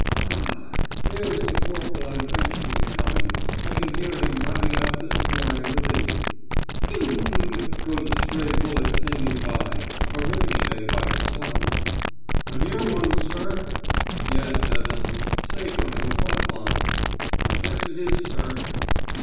Ah! there is the corporal on trench duty coming. I can hear him routing out the snoring relief. 'Ping g g g' goes a stray bullet singing by a ricochet by its sound. 'A near one, sir.' 'Yes, Evans. Safer in the front line.' 'I guess it is, sir.